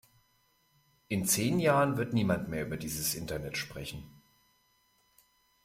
In zehn Jahren wird niemand mehr über dieses Internet sprechen!